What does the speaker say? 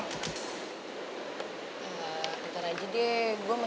ntar aja deh gue masih nunggu ngunggu dia juga